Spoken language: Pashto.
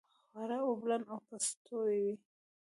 خواړه اوبلن او پستوي.